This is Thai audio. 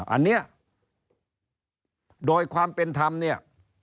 อันนี้โดยความเป็นธรรมเนี่ย